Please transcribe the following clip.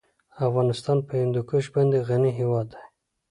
افغانستان په هندوکش باندې غني هېواد دی.